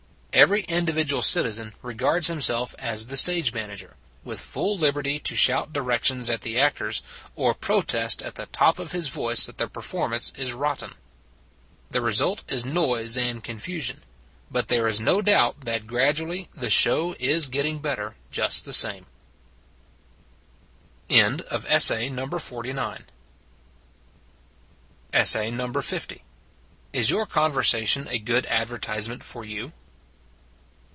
Every individual citizen regards 210 It s a Good Old World himself as the stage manager, with full liberty to shout directions at the actors, or protest at the top of his voice that the performance is rotten. The result is noise and confusion; but there is no doubt that gradually the show is getting better, just the same. IS YOUR CONVERSATION A GOOD ADVERTISEMENT FOR YOU?